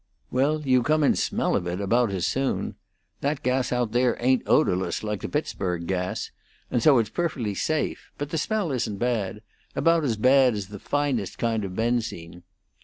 Well, you come in smell of it about as soon. That gas out there ain't odorless, like the Pittsburg gas, and so it's perfectly safe; but the smell isn't bad about as bad as the finest kind of benzine.